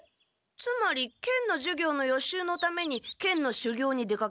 つまり剣の授業の予習のために剣のしゅぎょうに出かけると？